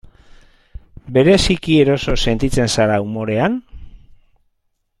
Bereziki eroso sentitzen zara umorean?